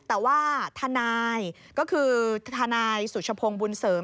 แต่ว่าทนายก็คือทนายสุชพงศ์บุญเสริม